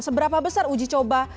seberapa besar uji coba